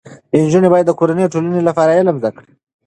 نجونې باید د کورنۍ او ټولنې لپاره علم زده کړي.